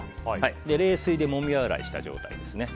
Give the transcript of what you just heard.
冷水でもみ洗いした状態です。